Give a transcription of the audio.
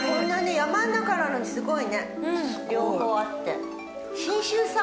山の中なのにすごいね両方あって。